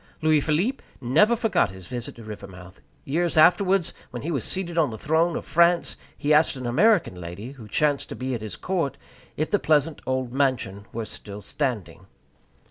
Louis Philippe never forgot his visit to Rivermouth. Years afterwards, when he was seated on the throne of France, he asked an American lady, who chanced to be at his court, if the pleasant old mansion were still standing.